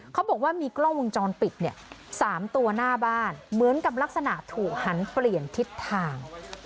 เขาบอกว่ามีกล้องวงจรปิด๓ตัวหน้าบ้านเหมือนกับลักษณะถูกหันเปลี่ยนทิศทาง